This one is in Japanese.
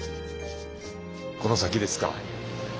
この先ですか。